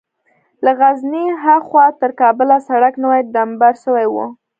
له غزني ها خوا تر کابله سړک نوى ډمبر سوى و.